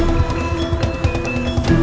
ada satu anak kecil ini